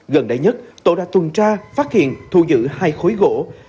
gần đây nhất tổ đã tuần tra phát hiện thu giữ hai khối gỗ